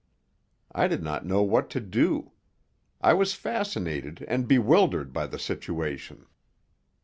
I did not know what to do. I was fascinated and bewildered by the situation.